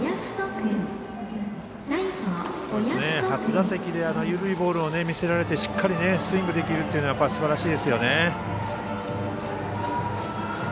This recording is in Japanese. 初打席で緩いボールを見せられてしっかりスイングできるのはすばらしいですね。